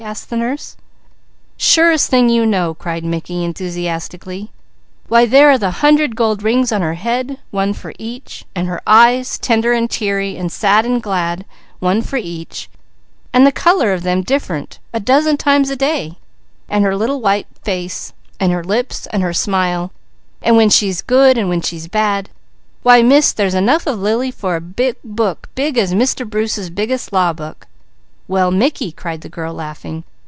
asked the nurse. "Surest thing you know!" cried Mickey enthusiastically. "Why there are the hundred gold rings on her head, one for each; and her eyes, tender and teasy, and sad and glad, one for each; and the colour of them different a dozen times a day, and her little white face, and her lips, and her smile, and when she's good, and when she's bad; why Miss, there's enough of Lily for a book big as Mr. Bruce's biggest law book." "Well Mickey!" cried the girl laughing.